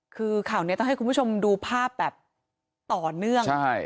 คือข่าวนี้ต้องให้คุณผู้ชมดูภาพแบบต่อเนื่อง